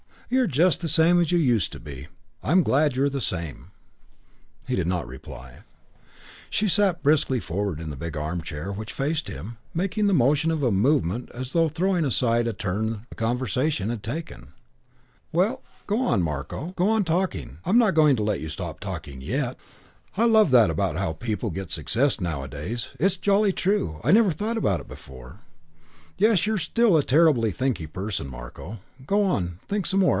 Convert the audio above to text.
You're just the same as you used to be. I'm glad you're the same." He did not reply. VII She sat briskly forward in the big armchair in which she faced him, making of the motion a movement as though throwing aside a turn the conversation had taken. "Well, go on, Marko. Go on talking. I'm not going to let you stop talking yet. I love that about how people get success nowadays. It's jolly true. I never thought of it before. Yes, you're still a terribly thinky person, Marko. Go on. Think some more.